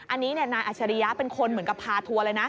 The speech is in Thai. อันนี้นายอัชริยะเป็นคนเหมือนกับพาทัวร์เลยนะ